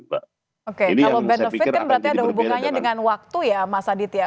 oke kalau benefit kan berarti ada hubungannya dengan waktu ya mas aditya